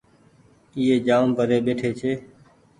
ايئي جآم پري ٻيٽي ڇي